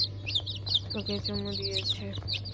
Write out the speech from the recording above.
তোকে চুমু দিয়েছে।